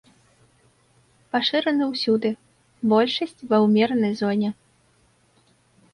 Пашыраны ўсюды, большасць ва ўмеранай зоне.